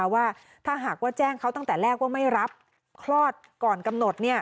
ว่าถ้าหากว่าแจ้งเขาตั้งแต่แรกว่าไม่รับคลอดก่อนกำหนด